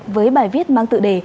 với bài viết mang tự đề